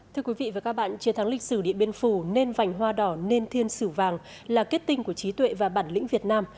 thưa quý vị và các bạn chiến thắng lịch sử điện biên phủ nên vành hoa đỏ nên thiên sử vàng là kết tinh của trí tuệ và bản lĩnh việt nam